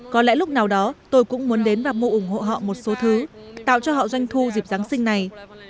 có lẽ lúc nào đó tôi cũng muốn đến và mua ủng hộ họ một số thứ tạo cho họ doanh thu dịp giáng sinh này